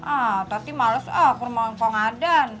ah tati males ah ke rumah engkong adan